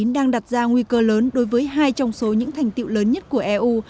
đang đặt ra nguy cơ lớn đối với hai trong số những thành tiệu lớn nhất của eu